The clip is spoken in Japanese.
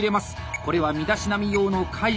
これは身だしなみ用の懐紙。